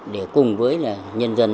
để cùng với là nhân dân